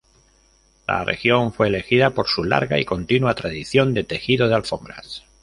La región fue elegida por su larga y continua tradición de tejido de alfombras.